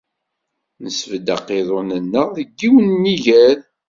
Nesbedd aqiḍun-nneɣ deg yiwen n yiger.